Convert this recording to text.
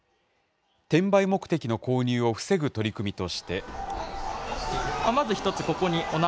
転売目的の購入を防ぐ取り組みとして。